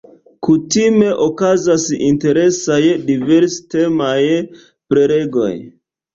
Kutime okazas interesaj, diverstemaj prelegoj.